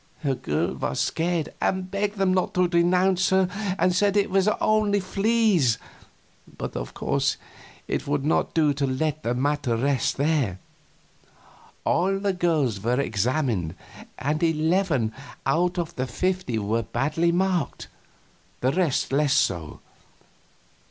The girl was scared, and begged them not to denounce her, and said it was only fleas; but of course it would not do to let the matter rest there. All the girls were examined, and eleven out of the fifty were badly marked, the rest less so.